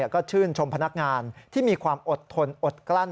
ก็ชื่นชมพนักงานที่มีความอดทนอดกลั้น